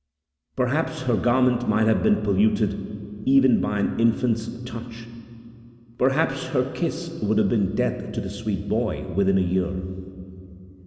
Perhaps her garment might have been polluted even by an infant's touch; perhaps her kiss would have been death to the sweet boy, within a year.